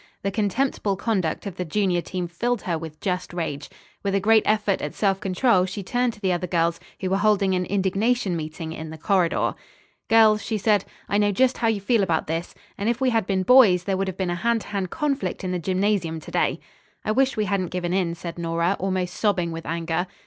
The contemptible conduct of the junior team filled her with just rage. With a great effort at self control she turned to the other girls, who were holding an indignation meeting in the corridor. "Girls," she said, "I know just how you feel about this, and if we had been boys there would have been a hand to hand conflict in the gymnasium to day." "I wish we hadn't given in," said Nora, almost sobbing with anger.